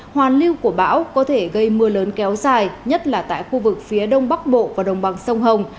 hoàn lưu của bão có thể gây mưa lớn kéo dài nhất là tại khu vực phía đông bắc bộ và đồng bằng sông hồng